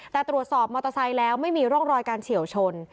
แต่ตรวจสอบมอเตอร์ไซค์แล้วไม่มีร่องรอยการเฉียวชน